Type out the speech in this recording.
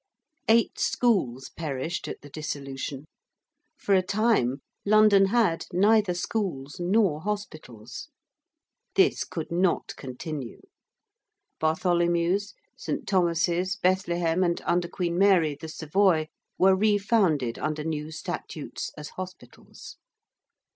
Eight schools perished at the Dissolution. For a time London had neither schools nor hospitals. This could not continue. Bartholomew's, St. Thomas's, Bethlehem, and, under Queen Mary, the Savoy were refounded under new statutes as hospitals.